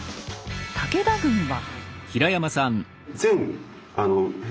武田軍は。